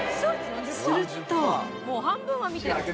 すると。